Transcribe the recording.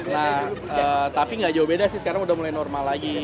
nah tapi nggak jauh beda sih sekarang udah mulai normal lagi